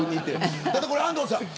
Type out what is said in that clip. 安藤さん